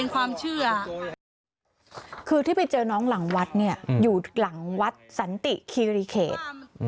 คือที่ไปเจอน้องหลังวัดเนี่ยอยู่หลังวัดสันติคีรีเขต